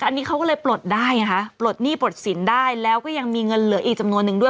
อันนี้เขาก็เลยปลดได้ไงคะปลดหนี้ปลดสินได้แล้วก็ยังมีเงินเหลืออีกจำนวนนึงด้วย